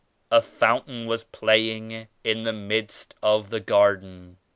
A fountain was playing in the midst of the garden.